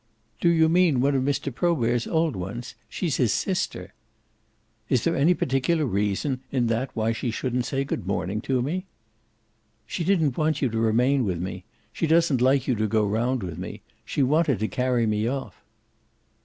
"Do you mean one of Mr. Probert's old ones? She's his sister." "Is there any particular reason in that why she shouldn't say good morning to me?" "She didn't want you to remain with me. She doesn't like you to go round with me. She wanted to carry me off."